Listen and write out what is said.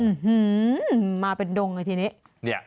อื้อฮือมาเป็นดงเลยทีนี้